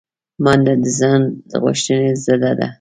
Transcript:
منډه د ځان غوښتنې ضد ده